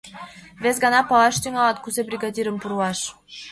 — Вес гана палаш тӱҥалат, кузе бригадирым пурлаш!